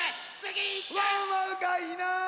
ワンワンがいない！